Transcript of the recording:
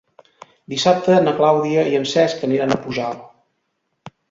Dissabte na Clàudia i en Cesc aniran a Pujalt.